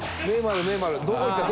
どこ行った？